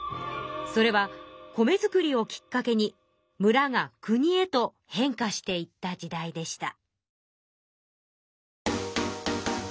それは米作りをきっかけにむらがくにへと変化していった時代でした。